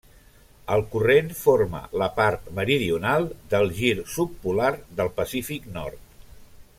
El corrent forma la part meridional del gir subpolar del Pacífic Nord.